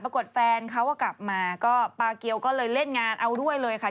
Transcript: แฟนเขาก็กลับมาก็ปาเกียวก็เลยเล่นงานเอาด้วยเลยค่ะ